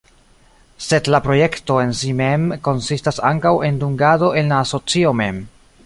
Sed la projekto en si mem konsistas ankaŭ en dungado en la asocio mem.